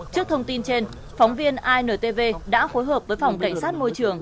trước thông tin trên phóng viên intv đã phối hợp với phòng cảnh sát môi trường